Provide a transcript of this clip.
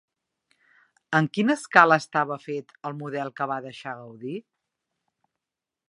En quina escala estava fet el model que va deixar Gaudí?